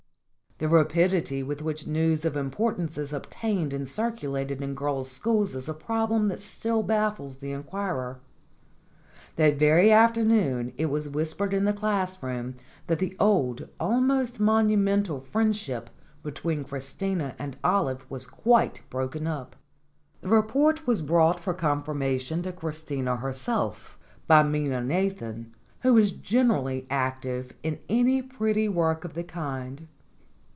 The rapidity with which news of importance is obtained and circulated in girls' schools is a problem that still baffles the inquirer. That very afternoon it was whispered in the classroom that the old, almost monumental, friendship between Christina and Olive was quite broken up. The report was brought for confirmation to Christina herself by Minna Nathan, who was generally active in any pretty work of the kind.